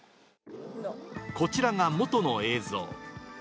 こちらが元の映像。